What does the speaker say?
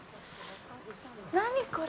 何これ？